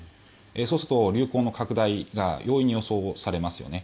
そうすると流行の拡大が容易に予想されますよね。